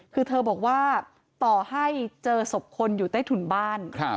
คือเธอบอกว่าต่อให้เจอศพคนอยู่ใต้ถุนบ้าน